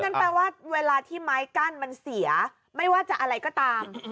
นั่นแปลว่าเวลาที่ไม้กั้นมันเสียไม่ว่าจะอะไรก็ตาม